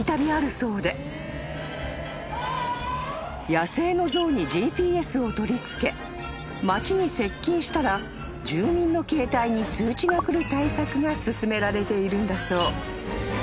［野生の象にＧＰＳを取り付け町に接近したら住民の携帯に通知が来る対策が進められているんだそう］